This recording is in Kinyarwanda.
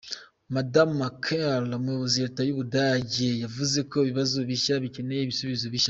Madamu Merkel, uyoboye leta y'uBudage, yavuze ko ibibazo bishya bikeneye ibisubizo bishya.